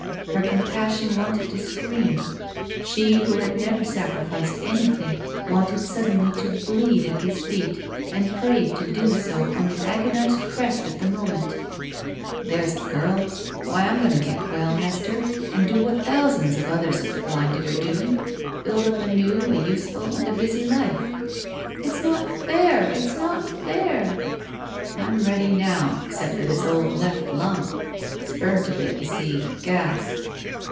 Her compassion wanted to scream. She, who had never sacrificed anything, wanted suddenly to bleed at his feet, and prayed to do so on the agonized crest of the moment. 89 BACK PAY *'There*s a girl! Why, Fm going to get well, Hester, and do what thousands of others of the blinded are doing. Build up a new, a useful, and a busy life." '*Ifs not fair! Ifs not fair!" ''I*m ready now, except for this old left lung. It*s burnt a bit, you see — gas."